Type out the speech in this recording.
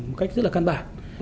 một cách rất là căn bản